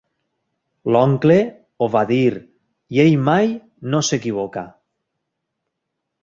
L'oncle ho va dir, i ell mai no s'equivoca.